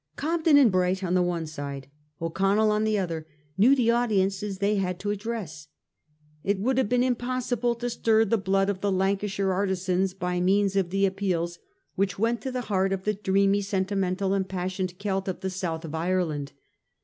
Cob den and Bright on the one side, O'Connell on the other, knew the audiences they had to address. It would have been impossible to stir the blood of the Lancashire artisan by means of the appeals which went to the very heart of the dreamy, sentimental impassioned Celt of the South of Ireland.